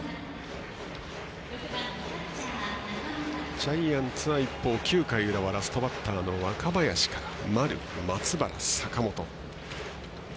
ジャイアンツは一方、９回裏はラストバッターの若林から丸、松原、坂本。